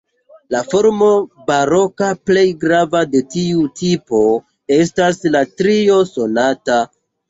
La formo baroka plej grava de tiu tipo estas la trio sonata.